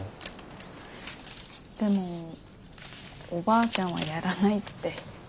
でもおばあちゃんはやらないって。